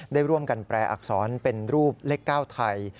ได้ร่วมกันแปลอักษรเป็นรูปเลข๙ไทย